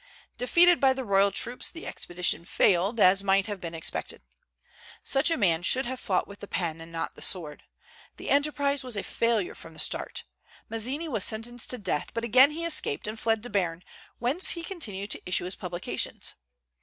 Defeated by the royal troops, the expedition failed, as might have been expected. Such a man should have fought with the pen and not the sword. The enterprise was a failure from the start. Mazzini was sentenced to death; but again he escaped, and fled to Berne, whence he continued to issue his publications.